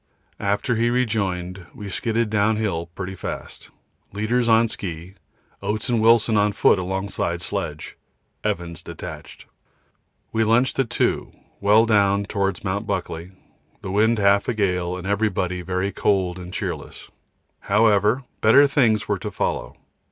After he rejoined we skidded downhill pretty fast, leaders on ski, Oates and Wilson on foot alongside sledge Evans detached. We lunched at 2 well down towards Mt. Buckley, the wind half a gale and everybody very cold and cheerless. However, better things were to follow.